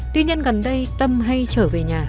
tuy nhiên gần đây tâm hay trở về nhà